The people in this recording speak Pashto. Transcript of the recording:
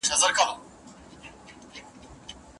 لېوانو ته غوښي چا پخ کړي دي.